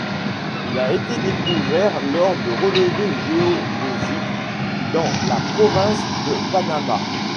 Il a été découvert lors de relevés géodésiques dans la province de Panama.